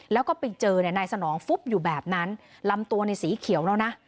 แล้วก็ไปเจอเนี่ยนายสนองฟุบอยู่แบบนั้นลำตัวในสีเขียวแล้วนะ